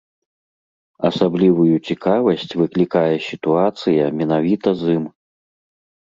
Асаблівую цікавасць выклікае сітуацыя менавіта з ім.